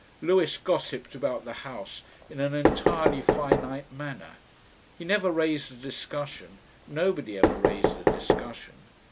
Lewis gossiped about the House in an entirely finite manner. He never raised a discussion; nobody ever raised a discussion.